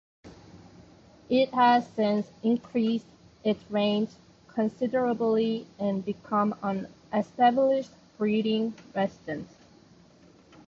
It has since increased its range considerably and become an established breeding resident.